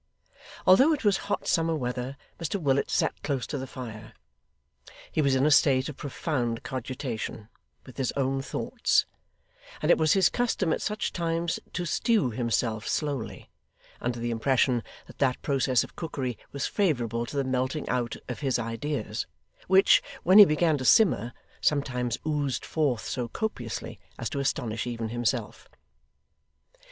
Although it was hot summer weather, Mr Willet sat close to the fire. He was in a state of profound cogitation, with his own thoughts, and it was his custom at such times to stew himself slowly, under the impression that that process of cookery was favourable to the melting out of his ideas, which, when he began to simmer, sometimes oozed forth so copiously as to astonish even himself.